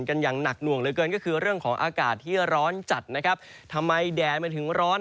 กันอย่างหนักหน่วงเหลือเกินก็คือเรื่องของอากาศที่ร้อนจัดนะครับทำไมแดดมันถึงร้อน